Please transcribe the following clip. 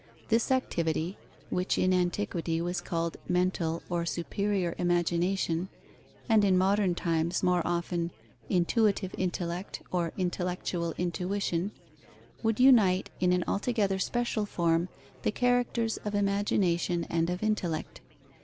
This activity, which in antiquity was called mental or superior imagination, and in modern times more often intuitive intellect or intellectual intuition, would unite in an altogether special form the characters of imagination and of intellect.